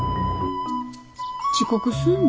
遅刻すんで。